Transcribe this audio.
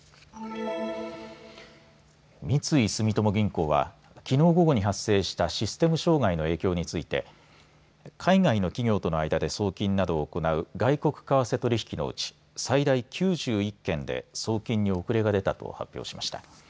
三井住友銀行はきのう午後に発生したシステム障害の影響について海外の企業との間で送金などを行う外国為替取引のうち最大９１件で送金に遅れが出たと発表しました。